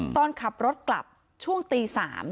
ตอนขับรถกลับช่วงตี๓